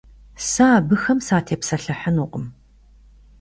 Сэ абыхэм сатепсэлъыхьынукъым.